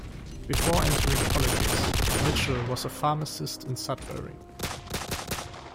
Before entering politics, Mitchell was a pharmacist in Sudbury.